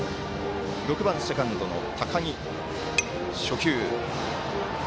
６番、セカンドの高木。